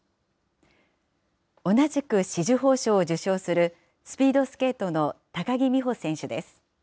同じく紫綬褒章を受章する、スピードスケートの高木美帆選手です。